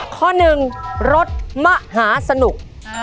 ข้อหนึ่งรถมหาสนุก